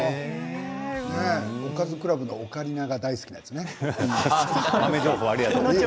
おかずクラブのオカリナが好きなんですよね。